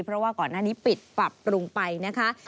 เพราะว่าก่อนหน้านี้ปิดปรับปรุงไปนะคะ